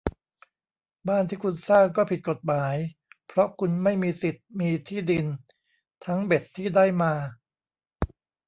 บ้านที่คุณสร้างก็ผิดกฎหมาย เพราะคุณไม่มีสิทธิ์มีที่ดิน ทั้งเบ็ดที่ได้มา